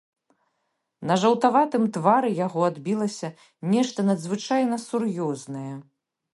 На жаўтаватым твары яго адбілася нешта надзвычайна сур'ёзнае.